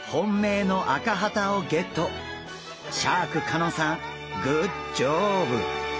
シャーク香音さんグッジョブ！